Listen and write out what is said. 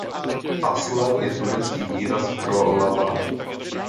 Aslan je turecký výraz pro „lva“.